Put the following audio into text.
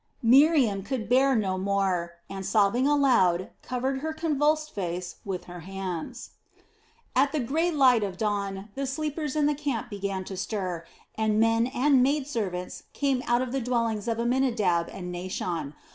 Miriam could bear no more and, sobbing aloud, covered her convulsed face with her hands. At the grey light of dawn the sleepers in the camp began to stir, and men and maid servants came out of the dwellings of Amminadab and Naashon.